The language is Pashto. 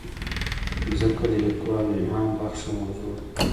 مځکه د لیکوالو الهامبخښه موضوع ده.